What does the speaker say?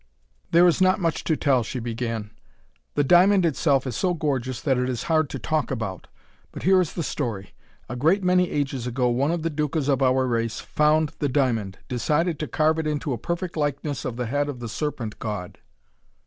"There is not so much to tell," she began. "The diamond itself is so gorgeous that it is hard to talk about. But here is the story. A great many ages ago one of the Ducas of our race found the diamond, decided to carve it into a perfect likeness of the head of the Serpent God.